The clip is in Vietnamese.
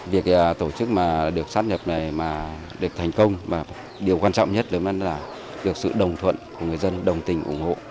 việc tổ chức được sắp nhập này được thành công điều quan trọng nhất là được sự đồng thuận của người dân đồng tình ủng hộ